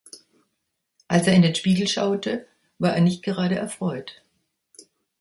Als er in den Spiegel schaute, war er nicht gerade erfreut.